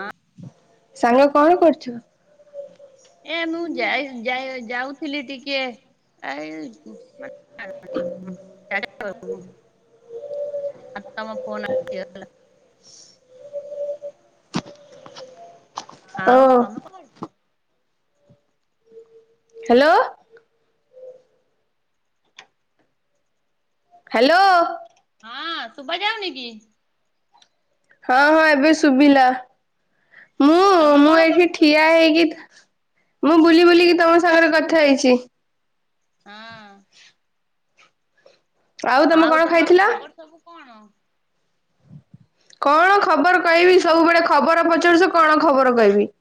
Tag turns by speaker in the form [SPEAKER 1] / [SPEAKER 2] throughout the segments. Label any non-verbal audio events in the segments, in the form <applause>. [SPEAKER 1] ହଁ
[SPEAKER 2] ସାଙ୍ଗ କଣ କରୁଛୁ?
[SPEAKER 1] ଏ ମୁଁ ଯାଇ ଯାଉଥିଲି ଟିକେ ଆ ହଁ ହଁ ଆପାମ ପନ <unintelligible>
[SPEAKER 2] ଓ
[SPEAKER 1] ଆଉ ତମେ କଣଛ <unintelligible>
[SPEAKER 2] ହ୍ୟାଲୋ ହ୍ୟାଲୋ
[SPEAKER 1] ହଁ ଶୁଭ ଯାାଉନ କି?
[SPEAKER 2] ହଁ ହଁ ଏବେ ଶୁଭିଲା ମୁଁ
[SPEAKER 1] ତମେ
[SPEAKER 2] ମୁଁ
[SPEAKER 1] କଣ
[SPEAKER 2] ଏଇଠି
[SPEAKER 1] କରୁଛ?
[SPEAKER 2] ଠିଆ ହେଇକି ମୁଁ ବୁଲି ବୁଲିକି ତମ ସାଙ୍ଗରେ କଥା ହେଇଛି।
[SPEAKER 1] ହଁ
[SPEAKER 2] ଆଉ ତମେ କଣ
[SPEAKER 1] ତମର
[SPEAKER 2] ଖାଇଥିଲ?
[SPEAKER 1] ଖବର ସବୁ କଣ?
[SPEAKER 2] କଣ ଖବର କହିବି ସବୁବେଳେ ଖବର ପଚାରୁଛ କଣ ଖବର କହିବି?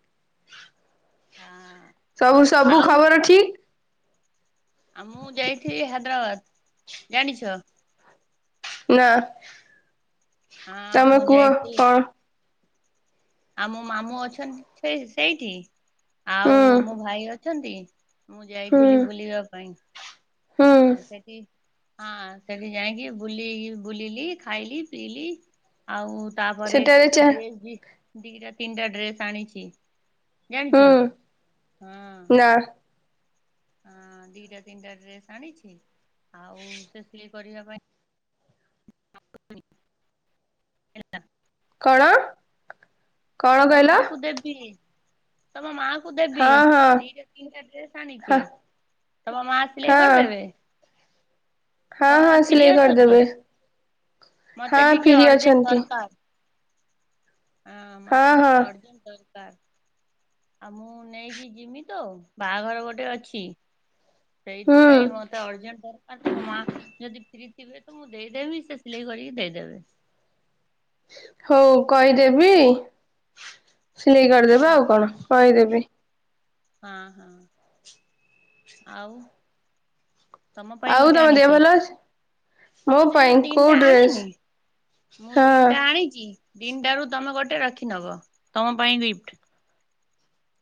[SPEAKER 1] ହଁ
[SPEAKER 2] ସବୁ ସବୁ ଖବର ଠିକ
[SPEAKER 1] ଆ ମୁଁ ଯାଇଥିଲି ହାଇଦ୍ରାବାଦ ଜାଣିଛ?
[SPEAKER 2] ନା
[SPEAKER 1] ହଁ
[SPEAKER 2] ତମେ
[SPEAKER 1] ମୁଁ
[SPEAKER 2] କୁହ
[SPEAKER 1] ଯାଇଥିଲି
[SPEAKER 2] କଣ?
[SPEAKER 1] ଆଉ ମୋ ମାମୁଁ ଅଛନ୍ତି ସେ ସେଇଠି
[SPEAKER 2] ହୁଁ
[SPEAKER 1] ଆଉ ମୋ ଭାଇ ଅଛନ୍ତି। ମୁଁ
[SPEAKER 2] ହୁଁ
[SPEAKER 1] ଯାଇଥିଲି ବୁଲିବା ପାଇଁ
[SPEAKER 2] ହୁଁ
[SPEAKER 1] ଆଉ ସେଠି ହଁ ସେଠି ଯାଇକି ବୁଲି ବୁଲିଲି ଖାଇଲି ପିଇଲି ଆଉ। ତାପରେ
[SPEAKER 2] ସେଠାରେ ଚା
[SPEAKER 1] ଡ୍ରେସ ଦିଟା ତିନିଟା ଡ୍ରେସ ଆଣିଛି
[SPEAKER 2] ହୁଁ
[SPEAKER 1] ଜାଣିଛ ହଁ।
[SPEAKER 2] ନା
[SPEAKER 1] ହଁ ଦିଟା ତିନିଟା ଡ୍ରେସ୍ ଆଣିଛି ଆଉ ସେ କରିବା ପାଇଁ ହେଲା
[SPEAKER 2] କଣ? କଣ
[SPEAKER 1] ତମ
[SPEAKER 2] କହିଲ?
[SPEAKER 1] ମାଙ୍କୁ ଦେବି ତମ ମା ଦେବି
[SPEAKER 2] ହଁ ହଁ
[SPEAKER 1] ଦିଟା ତିନିଟା ଡ୍ରେସ ଆଣିଛି।
[SPEAKER 2] ହଁ
[SPEAKER 1] ତମର ମା ଆସିଲ ଏ
[SPEAKER 2] ହଁ।
[SPEAKER 1] କରିଦବେ
[SPEAKER 2] ହଁ ହଁ ସିଲେଇ କରିଦେବେ
[SPEAKER 1] ମତେ
[SPEAKER 2] ହଁ
[SPEAKER 1] ଟିକେ
[SPEAKER 2] ଫରି
[SPEAKER 1] ଅର୍ଜେଣ୍ଟ
[SPEAKER 2] ଅଛନ୍ତି।
[SPEAKER 1] ଦରକାର ହଁ ମତେ ଟିକ ଅର୍ଜେଣ୍ଟ ଆଉ ମୁଁ ନେଇକି ଯିମି ତ ବାହାଘର ଗୋଟେ ଅଛି।
[SPEAKER 2] ହୁଁ
[SPEAKER 1] ସେଇଥିପାଇଁ ମତେ ଅର୍ଜୁଣ୍ଟର ଆ ଯଦି ଫ୍ରି ଥିବେ ତ ମୁଁ ଦେଇଦେବି ସେ ସିଲେଇ କରିକି ଦେଇଦେବେ
[SPEAKER 2] ହଉ କହିଦେବି ସିଲେଇ କରିଦବେ ଆଉ କଣ କହିଦେବି?
[SPEAKER 1] ହଁ ହଁ ଆଉ। ତମ ପାଇଁ
[SPEAKER 2] ଆଉ
[SPEAKER 1] ଗୋଟେ
[SPEAKER 2] ତମ ଦେହ
[SPEAKER 1] ଆଣିଛି
[SPEAKER 2] ଭଲ ଅଛି। ମୋ
[SPEAKER 1] ମୁଁ ସେ
[SPEAKER 2] ପାଇଁ
[SPEAKER 1] ଯୋଉ
[SPEAKER 2] କୋଉ
[SPEAKER 1] ତିନିଟା
[SPEAKER 2] ଡ୍ରେସ୍
[SPEAKER 1] ଆଣିନି ମୁଁ
[SPEAKER 2] ହଁ
[SPEAKER 1] ତିନିଟା ଆଣିଛି। ଦିନଟାରୁ ତମେ ଗୋଟେ ରଖି ନବ ତମ ପାଇଁ ଗିଫ୍ଟ।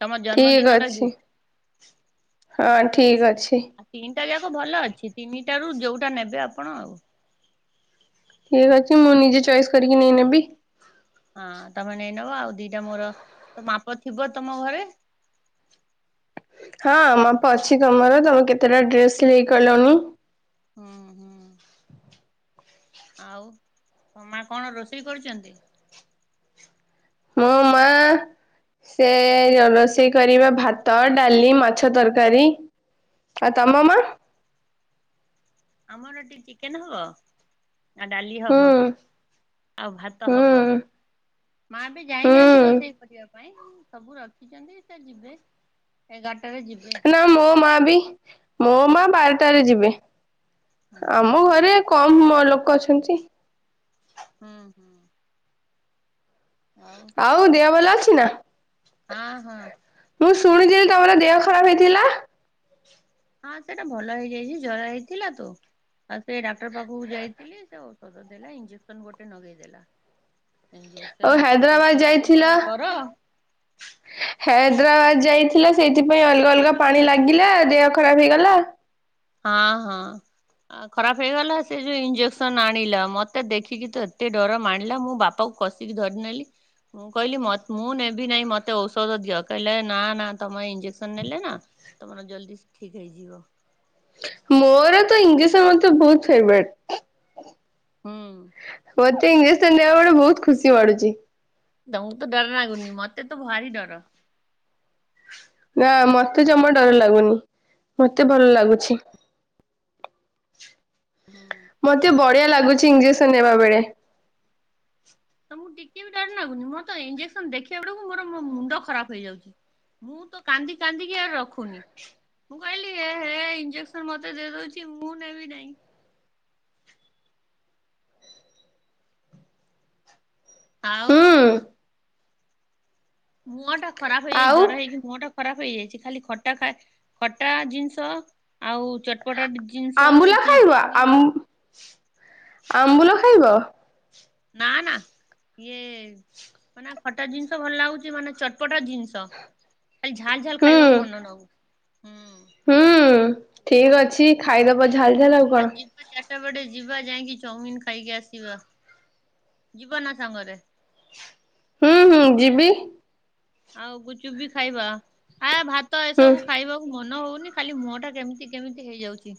[SPEAKER 1] ତମର
[SPEAKER 2] ଠିକ୍
[SPEAKER 1] ଜନ୍ମଦିନର
[SPEAKER 2] ଅଛି
[SPEAKER 1] ଗୀତ।
[SPEAKER 2] ହଁ ଠିକ ଅଛି।
[SPEAKER 1] ତିନିଟା ଯାକ ଭଲ ଅଛି ତିନିଟାରୁ ଯୋଉଟା ନେବେ ଆପଣ ଆଉ।
[SPEAKER 2] ଠିକ ଅଛି ମୁଁ ନିଜେ ଚଏସ୍ କରିକି ନେଇନେବି
[SPEAKER 1] ହଁ ତମେ ନେଇ ନବ ଆଉ ଦିଟା ମୋର ତ ମାପ ଥିବ ତମ ଘରେ
[SPEAKER 2] <inaudible> ହଁ ମପ ଅଛି ତମର ତମେ କେତେଟା ଡ୍ରେସ ହେ କଲଣିି
[SPEAKER 1] ହୁଁ ହୁଁ ଆଉ ମା କଣ ରୋଷେଇ କରୁଛନ୍ତି
[SPEAKER 2] ମୋମ। ସେ ରୋଷେଇ କରିବା ଭାତ ଡାଲି ମାଛ ତରକାରୀ ଆ ତମାମ
[SPEAKER 1] ଆମର ଏଟି ଚିକେନ ହବ ଆ ଡାଲି
[SPEAKER 2] ହୁଁ
[SPEAKER 1] ହବ ଆଉ ଭାତ ହବ
[SPEAKER 2] ହୁଁ
[SPEAKER 1] ମା ବି ଯାାଇନାହାନ୍ତି ରୋଷେଇ
[SPEAKER 2] ହୁଁ
[SPEAKER 1] କରିବା ପାଇଁ ସବୁ ରଖିଛନ୍ତି ସେ ଯିବେ ଏଗାରଟାରେ ଯିବେ।
[SPEAKER 2] ନା ମୋ ମା ବି ମୋ ମା ବାରଟାରେ ଯିବେ
[SPEAKER 1] ହୁଁ
[SPEAKER 2] ଆମ
[SPEAKER 1] ହୁଁ
[SPEAKER 2] ଘରେ କମ ଲୋକ ଅଛନ୍ତି।
[SPEAKER 1] ହୁଁ।
[SPEAKER 2] ଆଉ ଦେହ ଭଲ ଅଛି ନା।
[SPEAKER 1] ହଁ ହଁ।
[SPEAKER 2] ମୁଁ ଶୁଣିଥିଲି ତମର ଦେହ ଖରାପ ହେଇଥିଲା।
[SPEAKER 1] ହଁ ସେଇଟା ଭଲ ହେଇଯାଇଛି ଜର ହେଇଥିଲା ତ। ଆଉ ସେ ଡାକ୍ତର ପାଖକୁ ଯାଇଥିଲି ସେ ଔଷଧ ଦେଲା ଇଞ୍ଜେକ୍ସନ ଗୋଟେ ଲଗେଇଦଲା।
[SPEAKER 2] ଆଉ
[SPEAKER 1] ଇଞ୍ଜେକସନ କୁ
[SPEAKER 2] ହାଇଦ୍ରାବାଦ
[SPEAKER 1] ଦେଖିକି ତ
[SPEAKER 2] ଯାଇଥିଲ
[SPEAKER 1] ମୋର ଡର।
[SPEAKER 2] ଯାଇଥିଲା ସେଇଥିପାଇଁ ଅଲଗା ଅଲଗା ପାଣି
[SPEAKER 1] ହଁ
[SPEAKER 2] ଲାଗିଲା ଦେହ ଖରାପ ହେଇଗଲା।
[SPEAKER 1] ହଁ ହଁ। ଖରାପ ହେଇଗଲା। ସେ ଯୋଉ ଇଞ୍ଜେକସନ ଆଣିଲା ମତେ ଦେଖିକି ତ ଏତେ ଡର ମାଡ଼ିଲା। ମୋ ବାପା ଆଉ କଷିକି ଧରିନେଲି। ମୁଁ କହିଲି ମ ମୁଁ ନେବି ନାହିଁ ମତେ ଔଷଧ ଦିଅ। କହିଲେ ନା ନା ତମେ ଇଞ୍ଜେକ୍ସନ ନେଲେ ନା ତମର ଜଲଦି ଠିକ ହେଇଯିବ।
[SPEAKER 2] ମୋର ତ ଇଞ୍ଜେକସନ ମତେ ବହୁତ ଫେବରେଟ।
[SPEAKER 1] ହୁଁ।
[SPEAKER 2] ମୋତେ ଇଂଜସ ନେବା ବେଳେ ବହୁତ ଖୁସି ମାଡୁଛି।
[SPEAKER 1] ତମକୁ ତ ଡର ଲାଗୁନି ମତେ ତ ଭାରି ଡର।
[SPEAKER 2] ନା ମତେ ଜମା ଡର ଲାଗୁନି ମତେ ଭଲ ଲାଗୁଛି।
[SPEAKER 1] ହୁଁ।
[SPEAKER 2] ମତେ ବଢିଆ ଲାଗୁଛି ଇଂଜେକ୍ସନ ନେବା ବେଳେ।
[SPEAKER 1] ତମକୁ ଟିକେ ବି ଡର ଲାଗୁନି। ମୋର ତ ଇଞ୍ଜେକ୍ସନ ଦେଖିବା ବେଳକୁ ମୋର ମୋ ମୁଣ୍ଡ ଖରାପ ହେଇଯାଉଛି। ମୁଁ ତ କାନ୍ଦି କାନ୍ଦିକି ଆ ରଖୁନି। ମୁଁ କହିଲି ହେ ହେ ଇଞ୍ଜେସନ ମତେ ଦେଇଦଉଛି ମୁଁ ନେବି ନାହିଁ।
[SPEAKER 2] <inaudible>
[SPEAKER 1] ଆଉ।
[SPEAKER 2] ହୁଁ।
[SPEAKER 1] ମୁହଁ ଟା ଖରାପ ହେଇଯାଇଛି!
[SPEAKER 2] ଆଉ
[SPEAKER 1] ଜ୍ୱର ହେଇଛି ମୁହଁ ଟା ଖରାପ ହେଇଯାଇଛି। ଖାଲି ଖଟା ଖ ଖଟା ଜିନିଷ ଆଉ ପଟାଟ ଜିନିଷ
[SPEAKER 2] ଆମ୍ବୁଲ
[SPEAKER 1] କି
[SPEAKER 2] ଖାଇବ ଆମ୍
[SPEAKER 1] ଚାଉମିନ।
[SPEAKER 2] ଆମ୍ବୁଲ ଖାଇବ।
[SPEAKER 1] ନା ନା ଇଏ ମାନେ ଖଟା ଜିନିଷ ଭଲ ଲାଗୁଛି। ମାନେ ଚ ପଟ ଜିନିଷ ଖାଲି ଝାଲ ଝାଲ
[SPEAKER 2] ହୁଁ
[SPEAKER 1] ଖାଇବାକୁ ମନ ନଉ ହୁଁ
[SPEAKER 2] ହୁଁ ଠିକ ଅଛି ଖାଇଦବ ଝାଲ ଝାଲ ଆଉ କଣ।
[SPEAKER 1] ସେପଟେ ଯିବା ଯାଇକି ଚାଉମିନ ଖାଇକି ଆସିବା। ଯିବା ନ ସାଙ୍ଗରେ।
[SPEAKER 2] ହୁଁ ହୁଁ ଯିବି।
[SPEAKER 1] ଆଉ ଗୁଚୁ ବିି ଖାଇବା ଆ ଭାତ
[SPEAKER 2] ହୁଁ
[SPEAKER 1] ଏସବୁ ଖାଇବାକୁ ମନ ହଉନି ଖାଲି ମୁହଁ ଟା କେମିତି କେମିତି ହେଇଯାଉଛି।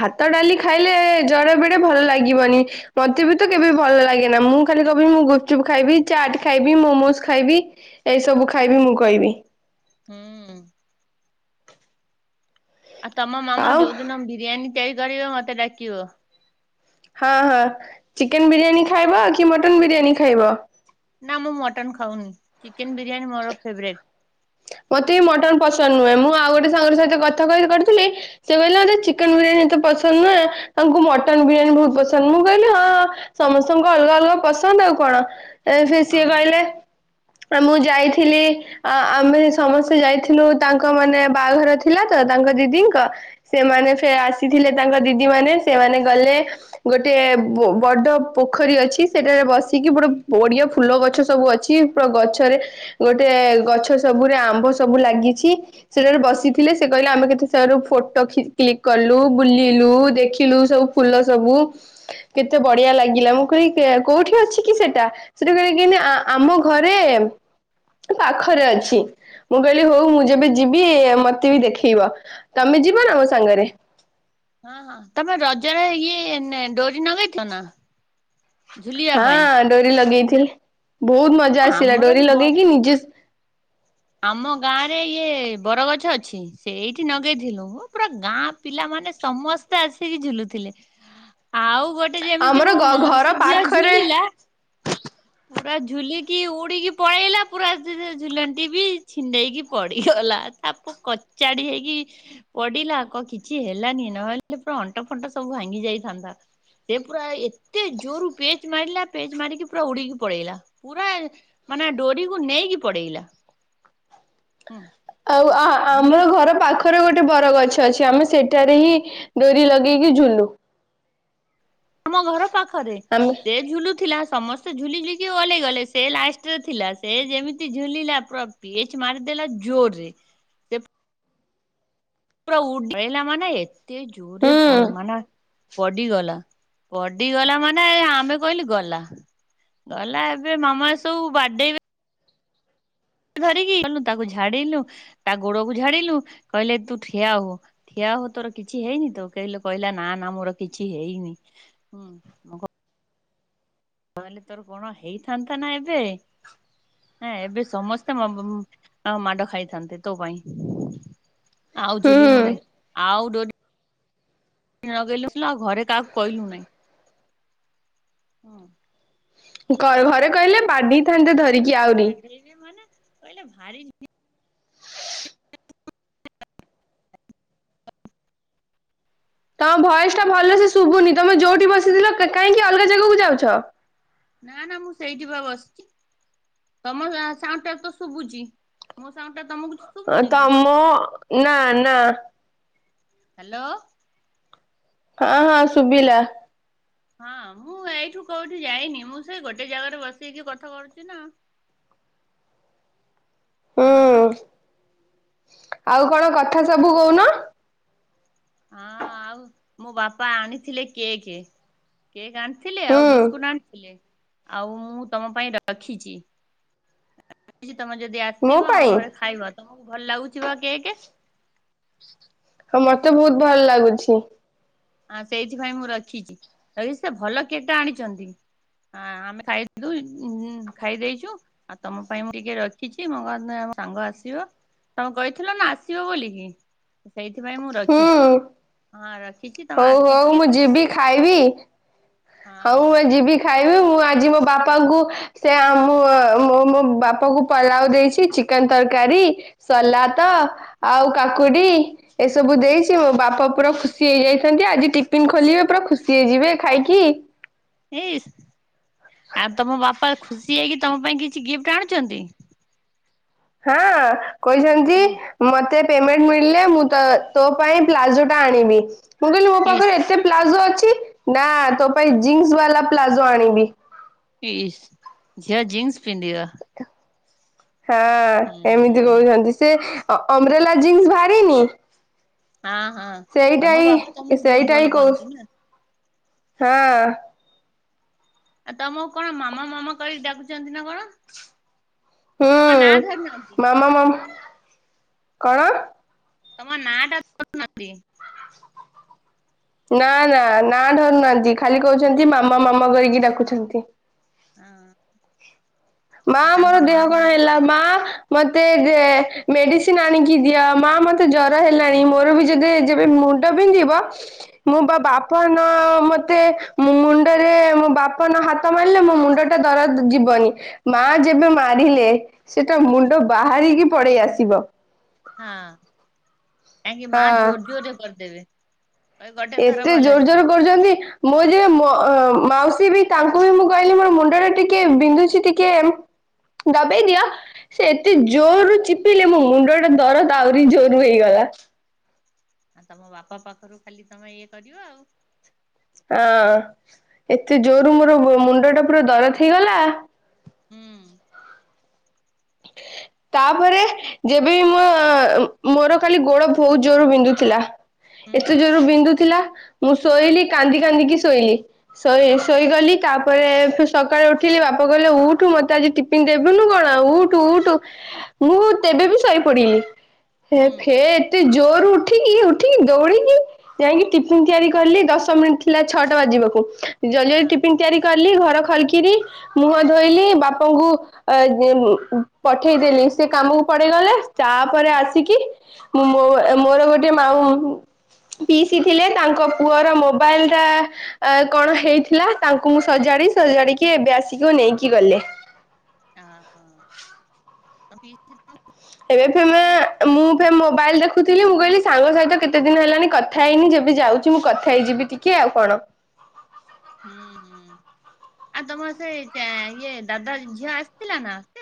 [SPEAKER 2] ଭାତ ଡାଲି ଖାଇଲେ ଜରେ ବେଡେ ଭଲ ଲାଗିବନି। ମତେ ବି ତ କେବେ ଭଲ ଲାଗେନା ମୁଁ କ ଖାଲି କବି ମୁଁ ଗୁପଚୁପ ଖାଇବି ଚାଟ୍ ଖାଇବି ମୋମୋଜ ଖାଇବି ଏଇସବୁ ଖାଇବି ମୁଁ କହିବି।
[SPEAKER 1] ହୁଁ। ଆଉ ତମ ମାମା
[SPEAKER 2] ଆଉ
[SPEAKER 1] ଯଉ ଦିନ ବିରିଆନି ତିଆରି କରିବ ମୋତେ ଡ଼ାକିିବ।
[SPEAKER 2] ହଁ ହଁ ଚିକେନ ବିରିୟାନୀ ଖାଇବ କି ମଟନ ବିରିୟାନୀ ଖାଇବ।
[SPEAKER 1] ନା ମୁଁ ମଟନ ଖାଉନି ଚିକେନ ବିରିୟାନୀ ମୋର ଫେବରେଟ।
[SPEAKER 2] ମତେ ବି ମଟନ ପସନ୍ଦ ନୁହେଁ। ମୁଁ ଆଉ ଗୋଟେ ସାଙ୍ଗ ସହିତ କଥା କହି କରିଥିଲି ସେ କହିଲେ ମତେ ଚିକେନ ବିରିୟାନୀ ଏତେ ପସନ୍ଦ ନୁହେଁ। ତାଙ୍କୁ ମଟନ ବିରିୟାନୀ ବହୁତ ପସନ୍ଦ। ମୁଁ କହିଲି ହଁଁ ସମସ୍ତଙ୍କଙ୍କୁ ଅଲଗା ଅଲଗା ପସନ୍ଦ ଆଉ କଣ। ଏ ସେ
[SPEAKER 1] ହଁ।
[SPEAKER 2] ସିଏ କହିଲେ ଆ ମୁଁ ଯାଇଥିଲି, ଆ ଆମେ ସମସ୍ତେ ଯାଇଥିଲୁ ତାଙ୍କ ମାନେ ବାହାଘର ଥିଲା ତ ତାଙ୍କ ଦିଦି ଙ୍କ ସେମାନେ ସେ ଆସିଥିଲେ ତାଙ୍କ ଦିଦି ମାନେ ସେମାନେ ଗଲେ ଗୋଟେ ବ ବଡ଼ ପୋଖରୀ ଅଛି! ସେଠାରେ ବସିକି ପୁରା ବଢିଆ ଫୁଲ ଗଛ ସବୁ ଅଛି ପୁରା ଗଛରେ ଗୋଟେ ଗଛ ସବୁରେ ଆମ୍ବ ସବୁ ଲାଗିଛି! ସେଟାରେ ବସିଥିଲେ ସେ କହିଲେ ଆମେ କେତେ ଫଟ କ୍ିକ କଲୁ ବୁଲିଲୁ ଦେଖିଲୁ ସବୁ ଫୁଲ ସବୁ କେତେ? ବଡିଆ ଲାଗିଲା ମୁଁ କ କୋଉଠି ଅଛି କି ସେଟା ସେଟା ଆମ ଘରେ। ପାଖରେ ଅଛି ମୁଁ କହିଲି ହଉ ମୁଁ ଯେବେ ଯିବି ମତେ ବି ଦେଖେଇବ ତମେ ତମେ ଯିବ ନା ମୋ ସାଙ୍ଗରେ
[SPEAKER 1] ହଁ ହଁ ତମେ ରଜରେ ଇଏ ଡୋରି ନଗେଇଛ ନା ଝୁଲିବା
[SPEAKER 2] ହଁ
[SPEAKER 1] ପାଇଁ?
[SPEAKER 2] ଡୋରି ଲଗେଇଥିଲେି ବହୁତ ମଜା ଆସିଲା
[SPEAKER 1] ଆମର ବି
[SPEAKER 2] ଡୋରି
[SPEAKER 1] ବ
[SPEAKER 2] ଲଗେଇକି ନିଜେ
[SPEAKER 1] ଆମ ଗାଁ ରେ ଇଏ ବରଗଛ ଅଛି ସେ ଏଇଠି ଲଗେଇଥିଲୁ ପୁରା ଗାଁ ପିଲା ମାନ ମାନେ ସମସ୍ତେ ଆସିକି ଝୁଲୁଥିଲେ ଆଉ ଗୋଟେ ଯେମିତି
[SPEAKER 2] ଆମର
[SPEAKER 1] ମୋ
[SPEAKER 2] ଘର
[SPEAKER 1] ମାଉସୀ ଝିଅ
[SPEAKER 2] ପାଖରେ
[SPEAKER 1] ଝୁଲିଲା ପୁରା ଝୁଲିକି ଉଡିକି ପଳେଇଲା ପୁରା ଝୁ ବି ଛିଣ୍ଡେଇକି ପଡିଗଲା ତାପ କଚାଡି ହେଇକି ପଡିଲା କ କିଛି ହେଲାନି ନହେଲେ ପୁରା ଅଣ୍ଟା ଫଣ୍ଟା ସବୁ ଭାଙ୍ଗି ଯାଇଥାନ୍ତା। ସେ ପୁରା ଏତେ ଜୋରୁ ପେଜ ମାରିଲା ପେଜ ମାରିକି ପୁରା ଉଡିକି ପଳେଇଲା ପୁରା ମାନେ ଡୋରିକୁ ନେଇକି ପଡେଇଲା ହୁଁ
[SPEAKER 2] ଆଉ
[SPEAKER 1] ଆମେ
[SPEAKER 2] ଆମର ଘର ପାଖରେ ଗୋଟେ ଗୋଟେ ବର ଗଛ ଅଛି ଆମେ ସେଠାରେ ହିଁ ଡୋରି ଲଗେଇକି ଝୁଲୁ
[SPEAKER 1] ଆମ ଘର ପାଖରେ
[SPEAKER 2] ଆମେ
[SPEAKER 1] ସେ ଝୁଲୁଥିଲା ସମସ୍ତ ଝୁଲିଝୁଲିିକି ଓଲେଇଗଲେ ସେ ଲାଷ୍ଟରେ ଥିଲା ସେ ଯେମିତି ଝୁଲିଲା ପୁରା ପିଚ ମାରିଦେଲା ଜୋରରେ ସେ ପୁରଠିଲ ମାନ ଏତେ ଜୋର
[SPEAKER 2] ହୁଁ
[SPEAKER 1] ପ ମାନ <unintelligible> ପଡିଗଲା ପଡିଗଲା ମାନେ ଆମେ କହିଲି ଗଲା ଗଲା ଏବେ ମାମା ସବୁ ବାଡେଇବେ ଧରିକିୁ ତାକୁ ଝାଡିଲୁ ତା ଗୋଡ କ ଝାଡିଲୁ କହିଲେ ତୁ ଠିଆ ହ ଠିଆ ହ ତୋର କିଛି ହେଇନି ତ କହିଲେ କହିଲା ନା ନା ମୋର କିଛି ହେଇନି ହୁଁ ତାହେଲେ ତୋର କଣ ହେଇଥାନ୍ତା ନା ଏବେ ହଁ ଏବେ ସମସ୍ତେ ମାଡ ଖାଇଥାନ୍ତେ ତୋ ପାଇଁ ଆଉ ଝୁଲି ମୁ
[SPEAKER 2] ହୁଁ
[SPEAKER 1] ନହିଁ ଆଉ ଡ ଲଗେଇଲୁ ଆଉ ଘରେ କାହାକୁ କହିଲୁ ନାହିଁ ହଁ
[SPEAKER 2] ଘରେ କହିଲେ ବାଡେଇ ଥାନ୍ତେ ଧରି କି?
[SPEAKER 1] ପାଦେଇବ ମାନେ ପଲେ ଭାରି <unintelligible>
[SPEAKER 2] ତମ ଭୟସ ଟା ଭଲ ସେ ଶୁଭୁନି ତମେ ଯୋଉଠି ବସିଥିଲ କାହିଁକି ଅଲଗା ଜାଗାକୁ ଯାଉଛ?
[SPEAKER 1] ନା ନା ମୁଁ ସେଇଠି ପା ବସିଛି ତମ ସାଣ୍ଡ ଟା ତ ଶୁଭୁଛି ମୋ ସାଉଣ୍ଟ <unintelligible>
[SPEAKER 2] ତମ ନା ନା
[SPEAKER 1] ହ୍ୟାଲୋ
[SPEAKER 2] ହଁ ହଁ ଶୁଭିଲା
[SPEAKER 1] ହଁ ମୁଁ ଏଇଠୁ କୋଉଠି ଯାଇନି ମୁଁ ସେ ଗୋଟେ ଜାଗାରେ ବସେଇକି କଥା କରୁଛି ନା
[SPEAKER 2] <inaudible> ହୁଁ
[SPEAKER 1] ଆଉ
[SPEAKER 2] ଆଉ କଣ କଥା ସବୁ କହୁନ?
[SPEAKER 1] ହଁ ଆଉ ମୋ ବାପା ଆଣିଥିଲେ କେକ୍ କେକ୍ ଆଣି ଆଣିଥିଲେ ଆଉ
[SPEAKER 2] ହୁଁ
[SPEAKER 1] ବିସ୍କୁଟ ଆଣିଥିଲେ। ଆଉ ମୁଁ ତମ ପାଇଁ ରଖିଛି। ତମେ ଯଦି
[SPEAKER 2] ମୋ
[SPEAKER 1] ଆସିବ ଆମ
[SPEAKER 2] ପାଇଁ
[SPEAKER 1] ଘରେ ଖାଇବ ତମକୁ ଭଲ ଲାଗୁଛି କେକ
[SPEAKER 2] ହଁ ମତେ ବହୁତ ଭଲ ଲାଗୁଛି।
[SPEAKER 1] ହଁ ସେଇଥିପାଇଁ ମୁଁ ରଖିଛି ରି ସେ ଭଲ କେଟା ଆଣିଛନ୍ତି। ହଁ ଆମେ ଖା ଖାଇ ଦେଇେଇଛୁ ଆଉ ତମ ପାଇଁ ମୁଁ ଟିକେ ରଖିଛି ମ <unintelligible> ତୋ ସାଙ୍ଗ ଆସିବ ତମେ କହିଥିଲ ନା ଆସିବ ବୋଲିକି ସେଇଥିପାଇଁ ମୁଁ
[SPEAKER 2] ହୁଁ
[SPEAKER 1] ରଖିଛି ହଁ ରଖି
[SPEAKER 2] ହଉ ହଉ ମୁଁ ଯିବି ଖାଇବି ହଉ ମୁଁ
[SPEAKER 1] ହଁ।
[SPEAKER 2] ଯିବି ଖାଇବି ମୁଁ ଆଜି ମୋ ବାପାଙ୍କୁ ସେ ମୁ ମୁଁ ମୋ ବାପାଙ୍କୁ ପଲାଉ ଦେଇଛି ଚିକେନ ତରକାରୀ ସଲାତ ଆଉ କାକୁଡି ଏସବୁ ଦେଇଛି ମୋ ବାପା ପୁରା ଖୁସି। ହେଇ ଯାଇଛନ୍ତି ଆଜି ଟିଫିିନ ଖୋଲିବେ ପୁରା ଖୁସି ହେଇଯିବେ ଖାଇକି।
[SPEAKER 1] ଏଇ ଆଉ ତମ ବାପା ଖୁସି ହେଇକି ତମ ପାଇଁ କିଛି ଗିଫ୍ଟ ଆଣୁଛନ୍ତି?
[SPEAKER 2] ହଁ କହିଛନ୍ତି
[SPEAKER 1] ହୁଁ
[SPEAKER 2] ମତେ ପେମେଣ୍ଟ ମିଳିଲେ ମୁଁ ତୋ ପାଇଁ ପ୍ଲାଜୋ ଟା ଆଣିବି ମୁଁ କହିଲି ମୋ
[SPEAKER 1] ଇସ୍
[SPEAKER 2] ପାଖରେ ଏତେ ପ୍ଲାଜୋ ଅଛି। ନା ତୋ ପାଇଁ ଜିନ୍ସ ବାଲା ପ୍ଲାଜୋ ଆଣିବି।
[SPEAKER 1] ଝିଅ ଜିନ୍ସ ପିନ୍ଧିବ।
[SPEAKER 2] ହଁ ଏମିତି କହୁଛନ୍ତି ସେ ଅମ୍ବ୍ରେଲା ଜିନ୍ସ ବାହାରିନି।
[SPEAKER 1] ହଁ ହଁ
[SPEAKER 2] ସେଇଟା
[SPEAKER 1] ତମ ବାବା
[SPEAKER 2] ହି
[SPEAKER 1] ତମକୁ ବହୁତ
[SPEAKER 2] ସେଇଟା ହି
[SPEAKER 1] ଭଲ
[SPEAKER 2] କହୁ
[SPEAKER 1] ପାଆନ୍ତି ନା।
[SPEAKER 2] ହଁ।
[SPEAKER 1] ଆଉ ତମକୁ କଣ ମାମା ମାମା କରିକି ଡାକୁଛନ୍ତି ନା କଣ। ତମ ନାଁ ଧରିନାହାନ୍ତି
[SPEAKER 2] ହୁଁ ମାମା ମାମା କଣ
[SPEAKER 1] ତମ ନାଁ ଟା ଧରୁ ନାହାନ୍ତି।
[SPEAKER 2] ନା ନା ନା ଡରୁନାହାନ୍ତି ଖାଲି କହୁଛନ୍ତି ମାମା ମାମା କରିକି ଡାକୁଛନ୍ତି।
[SPEAKER 1] ହଁ।
[SPEAKER 2] ମା ମୋର
[SPEAKER 1] ତାଙ୍କ ମା
[SPEAKER 2] ଦେହ
[SPEAKER 1] ନା
[SPEAKER 2] କଣ ହେଲା ମା ମତେ ଯେ ମେଡିସିନ ଆଣିକି ଦିଅ ମା ମତେ ଜର ହେଲାଣି ମୋର ବି ଯଦି ଯେବେ ମୁଣ୍ଡ ବିନ୍ଧିବ ମୁଁ ବା ବାପ ମତେ ମୁଣ୍ଡରେ ମୋ ବାପ ହାତ ମାରିଲେ ମୋ ମୁଣ୍ଡ ଟା ଦରଜ ଯିବନି ମା ଯେବେ ମାରିଲେ ସେଟା ମୁଣ୍ଡ ବାହାରିକି ପଳେଇ ଆସିବ।
[SPEAKER 1] ହଁ କାହିଁକି ମା
[SPEAKER 2] ହଁ।
[SPEAKER 1] ଜୋର ଜୋରରେ କରିଦେବେ। କହିବେ ଗୋଟେ ଥର
[SPEAKER 2] ଏତେ
[SPEAKER 1] ଭଲ
[SPEAKER 2] ଜୋର ଜୋର
[SPEAKER 1] ହେଇଯିବ।
[SPEAKER 2] କରୁଛନ୍ତି। ମୋ ଯ ମ ମାଉସୀ ବି ତାଙ୍କୁ ବି ମୁଁ କହିଲି ମୋର ମୁଣ୍ଡ ଟା ଟିକେ ବିନ୍ଧୁଛି ଟିକେ ଦବେଇ ଦିଅ ସେ ଏତେ ଜୋରରୁ ଚିପିଲେ ମୋ ମୁଣ୍ଡ ଟା ଦରଦ ଆହୁରି ଜୋର ହେଇଗଲା। <unintelligible>
[SPEAKER 1] ଆ ତମ ବାପା ପାଖରୁ ଖାଲି ତମେ ଇଏ କରିବ ଆଉ।
[SPEAKER 2] ହଁ ଏତେ ଜୋରରୁ ମୋର ମୁଣ୍ଡ ଟା ପୁରା ଦରଦ ହେଇଗଲା।
[SPEAKER 1] ହୁଁ।
[SPEAKER 2] ତାପରେ ଯେବେ ବି ମୋ ମୋର ଖାଲି ଗୋଡ ବହୁତ ଜୋର ବିନ୍ଧୁଥିଲା।
[SPEAKER 1] ହୁଁ
[SPEAKER 2] ଏତେ ଜୋର ବିନ୍ଦୁ ଥିଲା ମୁଁ ଶୋଇଲି କାନ୍ଦି କାନ୍ଦିକି ଶୋଇଲି। ଶୋଇ
[SPEAKER 1] ହୁଁ
[SPEAKER 2] ଶୋଇଗଲି। ତାପରେ ସ ସକାଳୁ ଉଠିଲି ବାପା କହିଲେ ଉଠୁ ମୋତେ ଆଜି ଟିଫିନ୍ ଦବୁନି କଣ ଉଠୁ ଉଠୁ ମୁଁ ତେବେ ବି ଶୋଇ ପଡିଲି। ହେ
[SPEAKER 1] ହୁଁ
[SPEAKER 2] ଫେ ଏତେ ଜୋର ଉଠିକି ଉଠିକି ଦୌଡିକି ଯାଇକି ଟିଫନ୍ ତିଆରି କଲି ଦଶ ମ ଥିଲା ଛଅଟା ବାଜିବାକୁ ଜଲଦି ଜଲଦି
[SPEAKER 1] ହଁ
[SPEAKER 2] ଟିଫନ୍ ତିଆରି ଘର ଖରକିରି ମୁହଁ ଧୋଇଲି ବାପାଙ୍କୁ ଅ ପଠେଇଦେଲି ସେ କାମକୁ ପଡେଇଗଲେ ତାପରେ ଆସିକି ମୋର ଗୋଟେ ମା ହଉ। ପିସି ଥିଲେ ତାଙ୍କ ପୁଅର ମୋବାଇଲ ଟା କଣ ହେଇଥିଲା ତାଙ୍କୁ ମୁଁ ସଜା ସଜାଡିକି ଏବେ ଆସିକି ନେଇକି ଗଲେ।
[SPEAKER 1] ଆ ହ ଆଉ ପିଇସି
[SPEAKER 2] ଏବେ ଫ ମୁଁ ମୋବାଇଲ ଦେଖ ଦେଖୁଥିଲି ମୁଁ କହିଲି ସାଙ୍ଗ ସହିତ କେତେ ଦିନ ହେଲାନି କଥା ହେଇନି ଯେବେ ଯାଉଛି ମୁଁ କଥା ହେଇଯିବି ଟିକେ ଆଉ କଣ? ହ
[SPEAKER 1] ହୁଁ ହୁଁ ଆଉ ତମର ସେଇ ଇଏ ଦାଦା ଝିଅ ଆସିଥିଲା ନା।